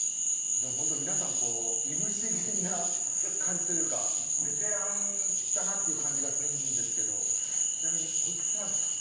でもほんと皆さんこういぶし銀な感じというかベテランだなっていう感じがするんですけどちなみにおいくつなんですか。